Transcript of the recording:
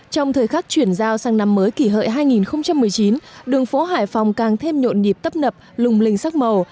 trong thời khắc chuyển giao sang năm mới kỷ hợi hai nghìn một mươi chín đường phố hải phòng càng thêm nhộn nhịp tấp nập lùng linh sắc màu